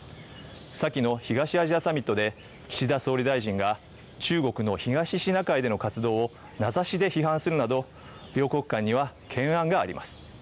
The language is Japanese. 先の東アジアサミットで岸田総理大臣が、中国の東シナ海での活動を名指しで批判するなど、両国間には懸案があります。